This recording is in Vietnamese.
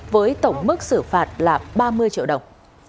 với tổng mức xử phạt là ba mươi triệu đồng